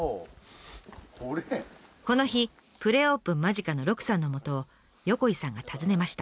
この日プレオープン間近の鹿さんのもとを横井さんが訪ねました。